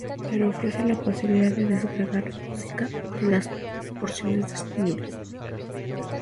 Pero ofrece la posibilidad de descargar y música de las porciones disponibles.